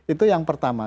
itu yang pertama